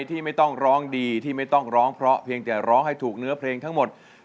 ที่ไม่ต้องร้องดีที่ไม่ต้องร้องเพราะเพียงแต่ร้องให้ถูกเนื้อเพลงทั้งหมด